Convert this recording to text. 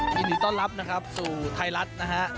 ยินดีต้อนรับนะครับสู่ไทยรัฐนะฮะ